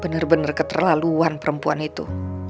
bener bener keterlaluan perempuan itu